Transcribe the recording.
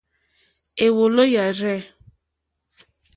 Èwòló yâ rzɛ̂.